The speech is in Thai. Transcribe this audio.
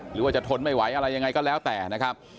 หรือว่าจะทนไม่ไหวอะไรยังไงก็แล้วแต่นะครับ